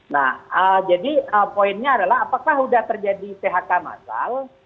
nah jadi poinnya adalah apakah sudah terjadi phk masal